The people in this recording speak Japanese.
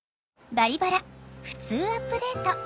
「バリバラふつうアップデート」。